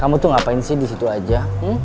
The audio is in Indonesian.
kamu tuh ngapain sih disitu aja